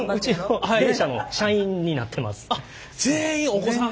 全員お子さん。